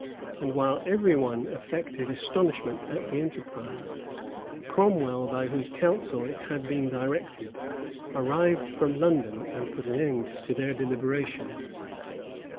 And while every one affected astonishment at the enterprise, Cromwell, by whose counsel it had been directed, arrived from London, and put an end to their deliberations.